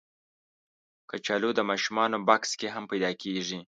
کچالو د ماشومانو بکس کې هم پیدا کېږي